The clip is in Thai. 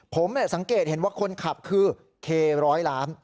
ผมสังเกตเห็นว่าคนขับคือเคร้อยล้าน